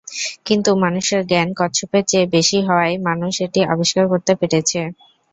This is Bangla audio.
কিন্তু মানুষের জ্ঞান কচ্ছপের চেয়ে বেশি হওয়ায় মানুষ এটি আবিষ্কার করতে পেরেছে।